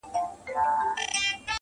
کوم ظالم چي مي غمی را څه پټ کړی,